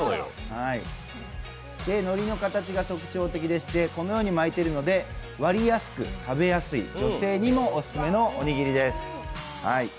のりの形が特徴的でして、このように巻いているので割りやすく食べやすい女性にもオススメのおにぎりです。